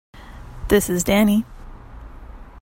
This is Danny.